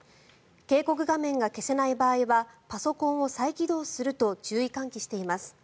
警告画面が消せない場合はパソコンを再起動すると注意喚起しています。